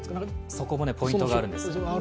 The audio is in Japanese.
そこもポイントがあるんです。